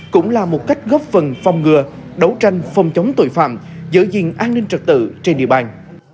cũng là một cách góp phần phòng ngừa đấu tranh phòng chống tội phạm giữ gìn an ninh trật tự trên địa bàn